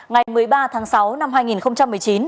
ngày một mươi ba tháng sáu năm hai nghìn một mươi chín